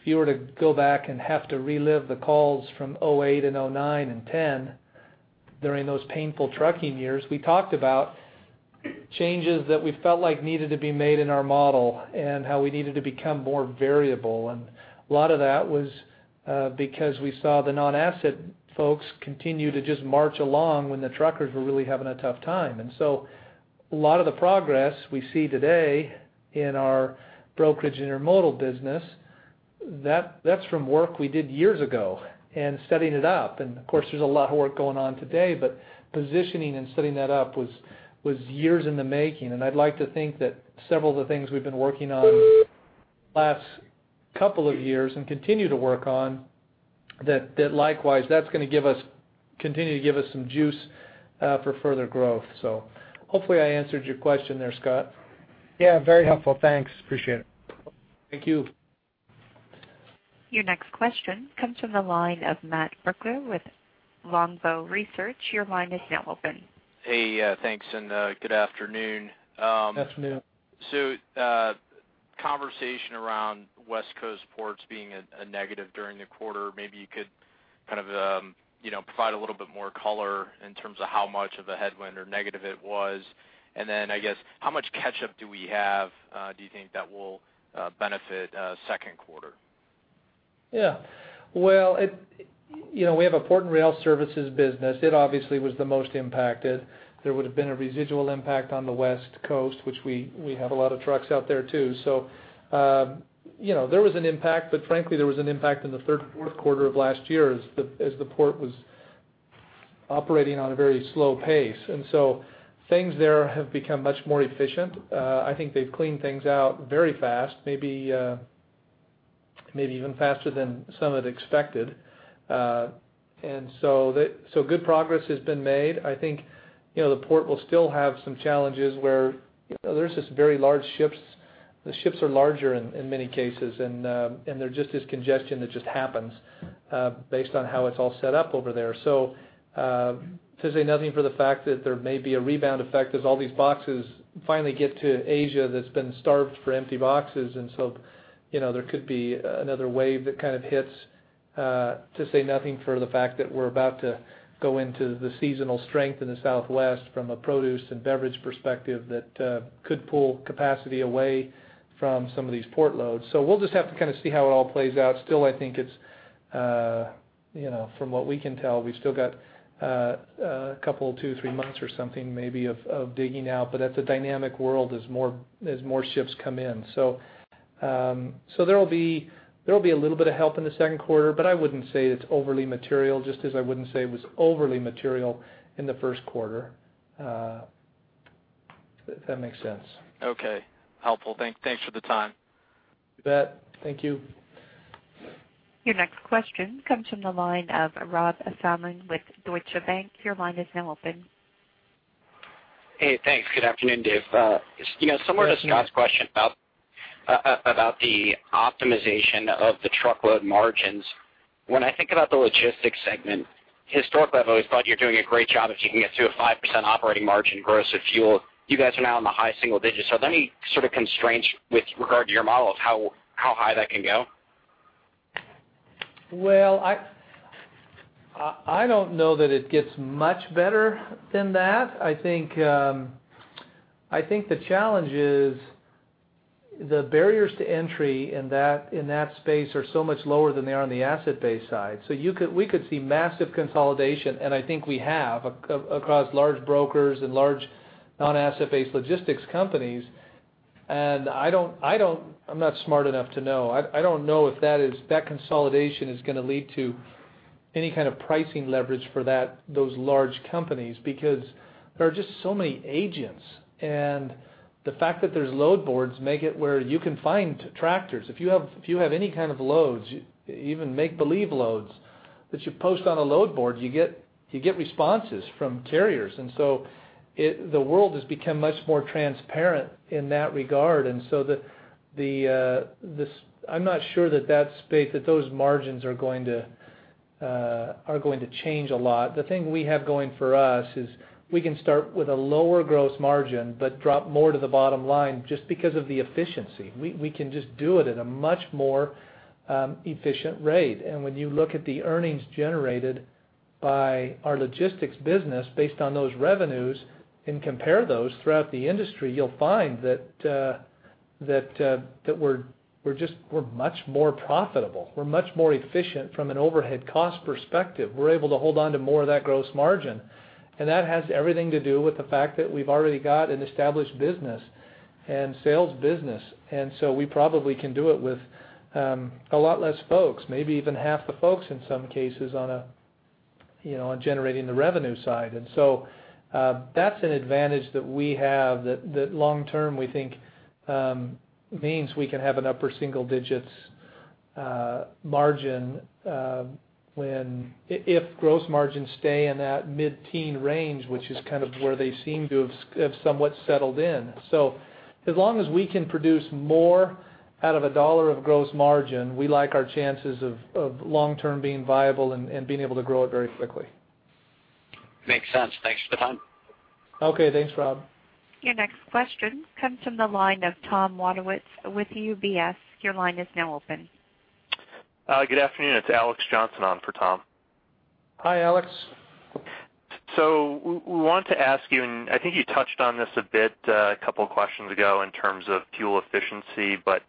if you were to go back and have to relive the calls from 2008 and 2009 and 2010, during those painful trucking years, we talked about changes that we felt like needed to be made in our model and how we needed to become more variable. A lot of that was, because we saw the non-asset folks continue to just march along when the truckers were really having a tough time. So a lot of the progress we see today in our brokerage intermodal business, that, that's from work we did years ago and setting it up. Of course, there's a lot of work going on today, but positioning and setting that up was, was years in the making. I'd like to think that several of the things we've been working on the last couple of years and continue to work on, that likewise that's going to give us, continue to give us some juice for further growth. So hopefully, I answered your question there, Scott. Yeah, very helpful. Thanks, appreciate it. Thank you. Your next question comes from the line of Matt Brooklier with Longbow Research. Your line is now open. Hey, thanks, and, good afternoon. Afternoon. Conversation around West Coast ports being a negative during the quarter, maybe you could kind of, you know, provide a little bit more color in terms of how much of a headwind or negative it was. Then, I guess, how much catch-up do we have, do you think, that will benefit second quarter? Yeah. Well, you know, we have a port and rail services business. It obviously was the most impacted. There would have been a residual impact on the West Coast, which we have a lot of trucks out there, too. So, you know, there was an impact, but frankly, there was an impact in the third and fourth quarter of last year as the port was operating on a very slow pace. And so things there have become much more efficient. I think they've cleaned things out very fast, maybe even faster than some had expected. And so good progress has been made. I think, you know, the port will still have some challenges where, you know, there's just very large ships. The ships are larger in many cases, and there just is congestion that just happens based on how it's all set up over there. So, to say nothing for the fact that there may be a rebound effect as all these boxes finally get to Asia, that's been starved for empty boxes. And so, you know, there could be another wave that kind of hits, to say nothing for the fact that we're about to go into the seasonal strength in the Southwest from a produce and beverage perspective that could pull capacity away from some of these port loads. So we'll just have to kind of see how it all plays out. Still, I think it's, you know, from what we can tell, we've still got a couple, two, three months or something maybe of digging out. But that's a dynamic world as more, as more ships come in. So, so there will be, there will be a little bit of help in the second quarter, but I wouldn't say it's overly material, just as I wouldn't say it was overly material in the first quarter. If that makes sense. Okay. Helpful. Thanks for the time. You bet. Thank you. Your next question comes from the line of Rob Salmon with Deutsche Bank. Your line is now open. Hey, thanks. Good afternoon, Dave. You know, similar to Scott's question about- Good afternoon... about the optimization of the truckload margins, when I think about the logistics segment, historically, I've always thought you're doing a great job if you can get to a 5% operating margin gross of fuel. You guys are now in the high single digits. So are there any sort of constraints with regard to your model of how high that can go? Well, I don't know that it gets much better than that. I think the challenge is, the barriers to entry in that space are so much lower than they are on the asset-based side. So you could, we could see massive consolidation, and I think we have, across large brokers and large non-asset-based logistics companies. And I don't, I'm not smart enough to know. I don't know if that consolidation is going to lead to any kind of pricing leverage for those large companies, because there are just so many agents. And the fact that there's load boards make it where you can find tractors. If you have any kind of loads, even make-believe loads, that you post on a load board, you get responses from carriers. The world has become much more transparent in that regard. So, I'm not sure that that space, that those margins are going to change a lot. The thing we have going for us is we can start with a lower gross margin, but drop more to the bottom line just because of the efficiency. We can just do it at a much more efficient rate. And when you look at the earnings generated by our logistics business based on those revenues and compare those throughout the industry, you'll find that we're just much more profitable. We're much more efficient from an overhead cost perspective. We're able to hold on to more of that gross margin, and that has everything to do with the fact that we've already got an established business and sales business. And so we probably can do it with a lot less folks, maybe even half the folks, in some cases, on a, you know, on generating the revenue side. And so that's an advantage that we have that long term, we think, means we can have an upper single digits margin if gross margins stay in that mid-teen range, which is kind of where they seem to have somewhat settled in. So as long as we can produce more out of a dollar of gross margin, we like our chances of long term being viable and being able to grow it very quickly. Makes sense. Thanks for the time. Okay, thanks, Rob. Your next question comes from the line of Tom Wadewitz with UBS. Your line is now open. Good afternoon. It's Alex Johnson on for Tom. Hi, Alex. So we wanted to ask you, and I think you touched on this a bit, a couple of questions ago in terms of fuel efficiency. But,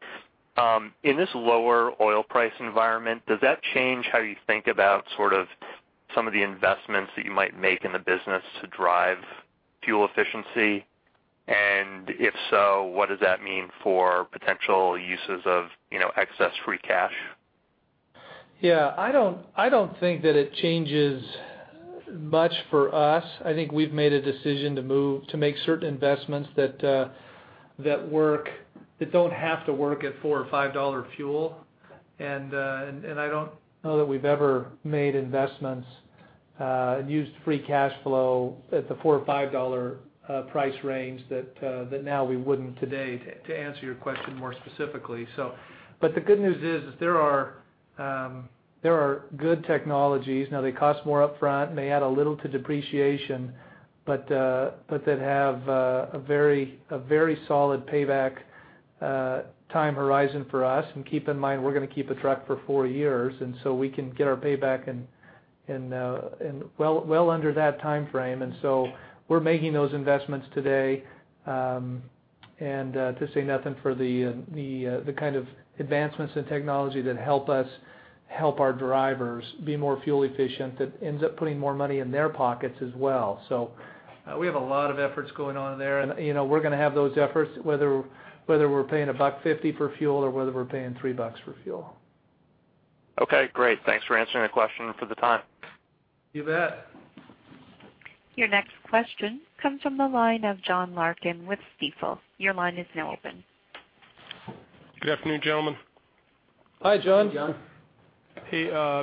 in this lower oil price environment, does that change how you think about sort of some of the investments that you might make in the business to drive fuel efficiency? And if so, what does that mean for potential uses of, you know, excess free cash? Yeah, I don't think that it changes much for us. I think we've made a decision to move, to make certain investments that work, that don't have to work at $4 or $5 fuel. And I don't know that we've ever made investments and used free cash flow at the $4 or $5 price range, that now we wouldn't today, to answer your question more specifically, so. But the good news is there are good technologies. Now, they cost more upfront, may add a little to depreciation, but that have a very solid payback time horizon for us. And keep in mind, we're going to keep a truck for four years, and so we can get our payback in well under that timeframe. So we're making those investments today, and to say nothing of the kind of advancements in technology that help us help our drivers be more fuel efficient, that ends up putting more money in their pockets as well. So we have a lot of efforts going on there. You know, we're going to have those efforts, whether we're paying $1.50 for fuel or whether we're paying $3 for fuel. Okay, great. Thanks for answering the question and for the time. You bet. Your next question comes from the line of John Larkin with Stifel. Your line is now open. Good afternoon, gentlemen. Hi, John. Hi, John. Hey, I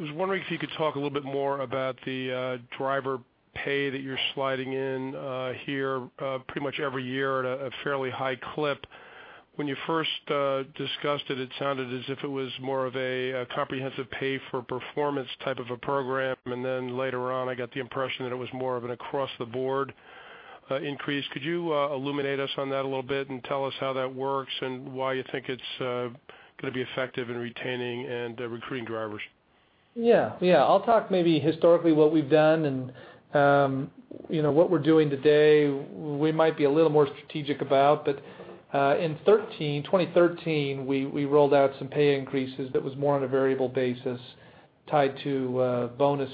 was wondering if you could talk a little bit more about the driver pay that you're sliding in here pretty much every year at a fairly high clip. When you first discussed it, it sounded as if it was more of a comprehensive pay-for-performance type of a program, and then later on, I got the impression that it was more of an across-the-board increase. Could you illuminate us on that a little bit and tell us how that works and why you think it's going to be effective in retaining and recruiting drivers? Yeah. Yeah, I'll talk maybe historically, what we've done and, you know, what we're doing today, we might be a little more strategic about. But, in 2013, we rolled out some pay increases that was more on a variable basis tied to, bonus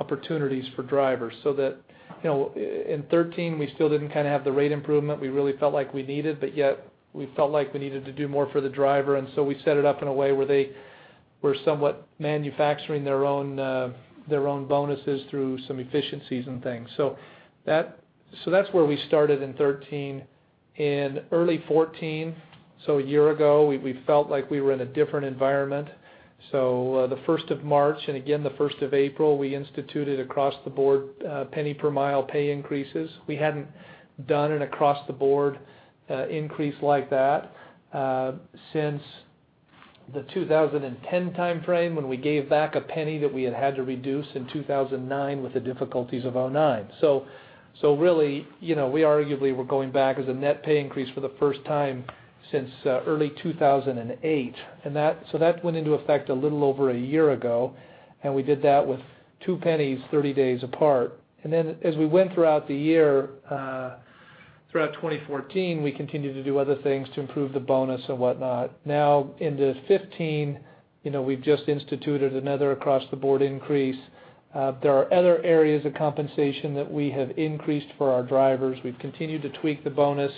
opportunities for drivers. So that, you know, in 2013, we still didn't kind of have the rate improvement we really felt like we needed, but yet we felt like we needed to do more for the driver, and so we set it up in a way where they were somewhat manufacturing their own, their own bonuses through some efficiencies and things. So that's where we started in 2013. In early 2014, so a year ago, we felt like we were in a different environment. So, the first of March, and again, the first of April, we instituted across-the-board, $0.01-per-mile pay increases. We hadn't done an across-the-board increase like that since the 2010 timeframe, when we gave back a $0.01 that we had had to reduce in 2009 with the difficulties of '09. So, so really, you know, we arguably were going back as a net pay increase for the first time since early 2008. And that... So that went into effect a little over a year ago, and we did that with two $0.01, 30 days apart. And then, as we went throughout the year, throughout 2014, we continued to do other things to improve the bonus and whatnot. Now in 2015, you know, we've just instituted another across-the-board increase. There are other areas of compensation that we have increased for our drivers. We've continued to tweak the bonus.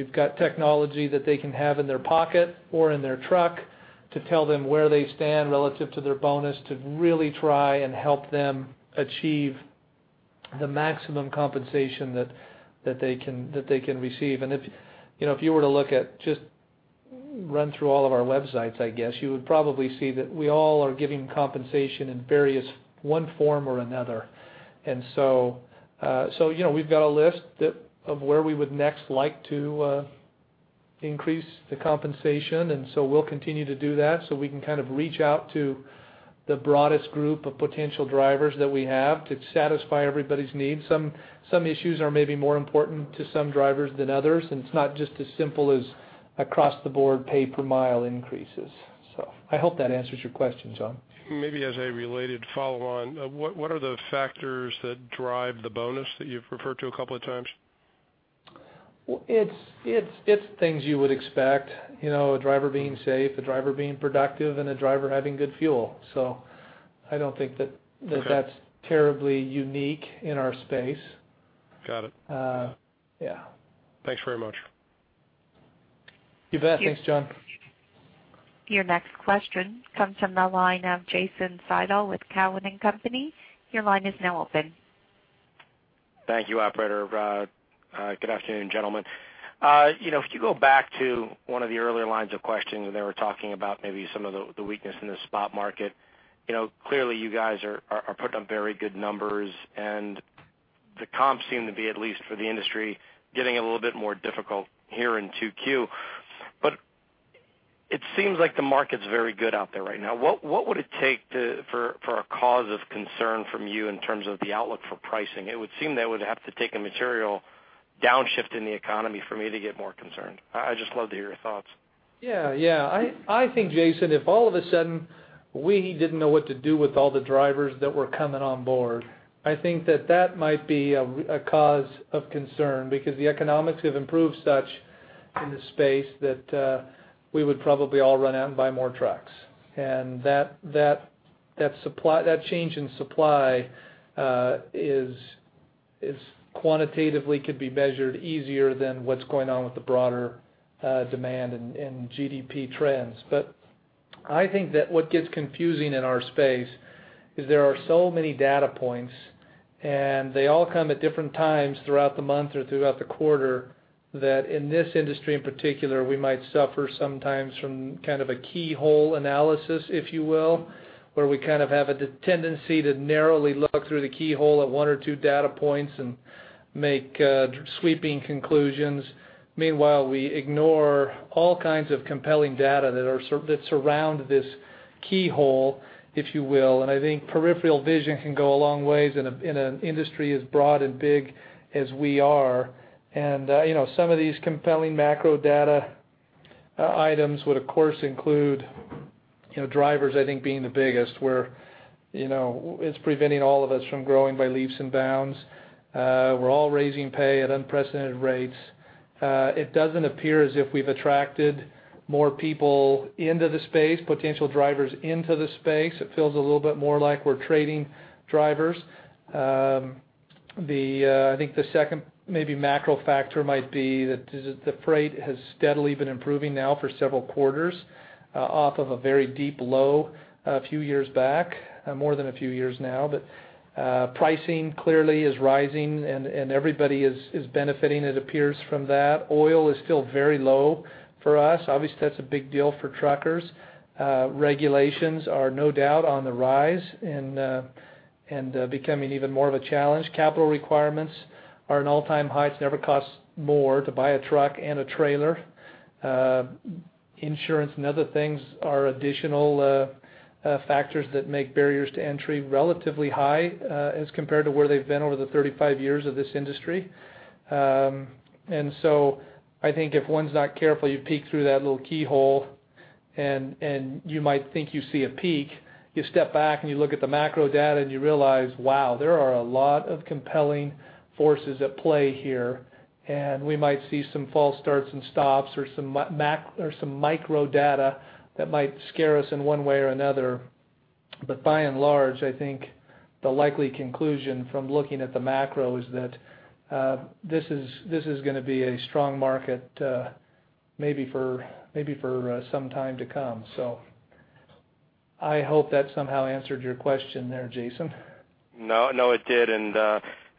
We've got technology that they can have in their pocket or in their truck to tell them where they stand relative to their bonus, to really try and help them achieve the maximum compensation that they can receive. And if, you know, if you were to look at just run through all of our websites, I guess, you would probably see that we all are giving compensation in various one form or another. And so, so you know, we've got a list of where we would next like to increase the compensation, and so we'll continue to do that, so we can kind of reach out to the broadest group of potential drivers that we have to satisfy everybody's needs. Some issues are maybe more important to some drivers than others, and it's not just as simple as across-the-board pay per mile increases. So I hope that answers your question, John. Maybe as a related follow-on, what, what are the factors that drive the bonus that you've referred to a couple of times? Well, it's things you would expect, you know, a driver being safe, a driver being productive, and a driver having good fuel. So I don't think that- Okay... that's terribly unique in our space. Got it. Uh, yeah. Thanks very much. You bet. Thanks, John. Your next question comes from the line of Jason Seidl with Cowen and Company. Your line is now open. Thank you, operator. Good afternoon, gentlemen. You know, if you go back to one of the earlier lines of questioning, they were talking about maybe some of the, the weakness in the spot market. You know, clearly, you guys are, are putting up very good numbers, and the comps seem to be, at least for the industry, getting a little bit more difficult here in 2Q. But it seems like the market's very good out there right now. What, what would it take to, for, for a cause of concern from you in terms of the outlook for pricing? It would seem that it would have to take a material downshift in the economy for me to get more concerned. I, I'd just love to hear your thoughts. Yeah, yeah. I think, Jason, if all of a sudden, we didn't know what to do with all the drivers that were coming on board, I think that that might be a cause of concern because the economics have improved such in the space that we would probably all run out and buy more trucks. And that supply, that change in supply, is quantitatively could be measured easier than what's going on with the broader demand and GDP trends. But I think that what gets confusing in our space is there are so many data points, and they all come at different times throughout the month or throughout the quarter, that in this industry, in particular, we might suffer sometimes from kind of a keyhole analysis, if you will, where we kind of have a tendency to narrowly look through the keyhole at one or two data points and make sweeping conclusions. Meanwhile, we ignore all kinds of compelling data that surround this keyhole, if you will. And I think peripheral vision can go a long way in an industry as broad and big as we are. You know, some of these compelling macro data items would, of course, include, you know, drivers, I think, being the biggest, where, you know, it's preventing all of us from growing by leaps and bounds. We're all raising pay at unprecedented rates. It doesn't appear as if we've attracted more people into the space, potential drivers into the space. It feels a little bit more like we're trading drivers. The, I think the second maybe macro factor might be that the freight has steadily been improving now for several quarters, off of a very deep low, a few years back, more than a few years now. But, pricing clearly is rising, and everybody is benefiting, it appears from that. Oil is still very low for us. Obviously, that's a big deal for truckers. Regulations are no doubt on the rise and becoming even more of a challenge. Capital requirements are at an all-time high. It's never cost more to buy a truck and a trailer. Insurance and other things are additional factors that make barriers to entry relatively high, as compared to where they've been over the 35 years of this industry. So I think if one's not careful, you peek through that little keyhole and you might think you see a peak. You step back, and you look at the macro data, and you realize, wow, there are a lot of compelling forces at play here, and we might see some false starts and stops or some microdata that might scare us in one way or another. But by and large, I think the likely conclusion from looking at the macro is that this is gonna be a strong market, maybe for some time to come. So I hope that somehow answered your question there, Jason. No, no, it did.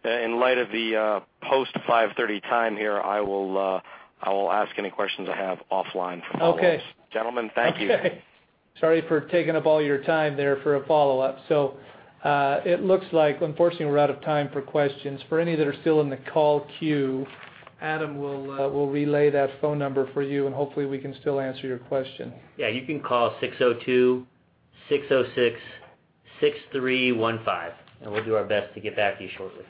In light of the post 5:30 P.M. time here, I will, I will ask any questions I have offline. Okay. Gentlemen, thank you. Okay. Sorry for taking up all your time there for a follow-up. It looks like, unfortunately, we're out of time for questions. For any that are still in the call queue, Adam will relay that phone number for you, and hopefully, we can still answer your question. Yeah, you can call 602-606-6315, and we'll do our best to get back to you shortly.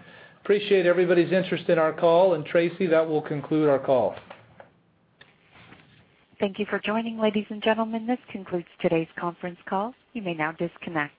Appreciate everybody's interest in our call. Tracy, that will conclude our call. Thank you for joining, ladies and gentlemen. This concludes today's conference call. You may now disconnect.